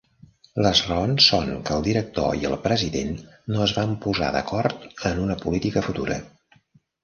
Les raons són que el director i el president no es van posar d'acord en una política futura.